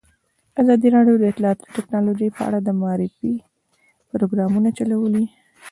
ازادي راډیو د اطلاعاتی تکنالوژي په اړه د معارفې پروګرامونه چلولي.